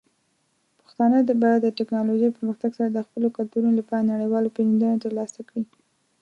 پښتانه به د ټیکنالوجۍ پرمختګ سره د خپلو کلتورونو لپاره نړیواله پیژندنه ترلاسه کړي.